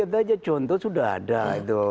ya gitu aja contoh sudah ada itu